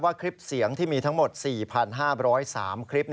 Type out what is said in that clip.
คลิปเสียงที่มีทั้งหมด๔๕๐๓คลิป